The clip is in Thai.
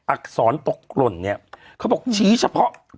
อักษรตกหล่นเนี่ยเขาบอกชี้เฉพาะ